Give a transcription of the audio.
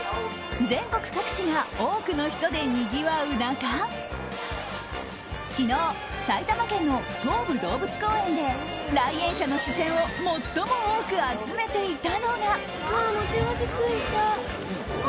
全国各地が多くの人でにぎわう中昨日、埼玉県の東武動物公園で来園者の視線を最も多く集めていたのが。